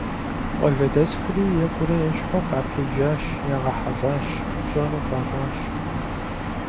Къуажэдэсхэри екӀурэ-ещхьу къапежьащ, ягъэхьэщӀащ, пщӀэ къыхуащӀащ.